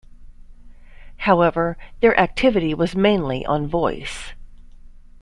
However, their activity was mainly on voice.